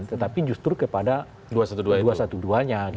tetapi justru kepada dua satu dua nya